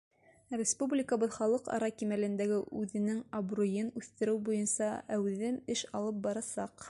Республикабыҙ халыҡ-ара кимәлдә үҙенең абруйын үҫтереү буйынса әүҙем эш алып барасаҡ.